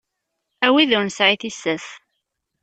A wid ur nesɛi tissas.